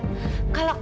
kalian harus ikut makan